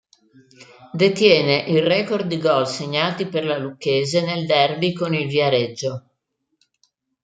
Detiene il record di gol segnati per la Lucchese nel derby con il Viareggio.